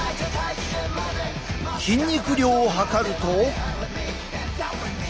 筋肉量を測ると。